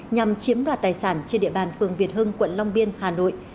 nhằm chiếm đoạt tài sản trên địa bàn phường việt hưng quận long biên hà nội